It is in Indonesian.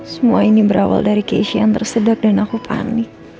semua ini berawal dari keishayan tersedak dan aku panik